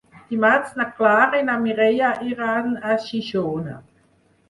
Dimarts na Clara i na Mireia iran a Xixona.